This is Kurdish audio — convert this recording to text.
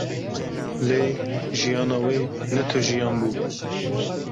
Lê jiyana wê ne tu jiyan bû